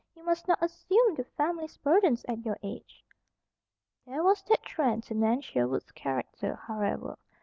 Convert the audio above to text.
You must not assume the family's burdens at your age." There was that trend to Nan Sherwood's character, however.